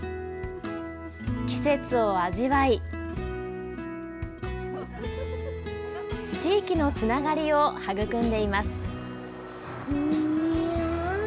季節を味わい、地域のつながりを育んでいます。